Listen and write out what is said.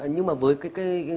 nhưng mà với cái